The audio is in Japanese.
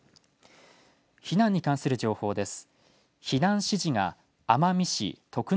避難に関する情報です。